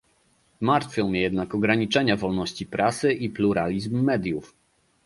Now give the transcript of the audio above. Martwią mnie jednak ograniczenia wolności prasy i pluralizm mediów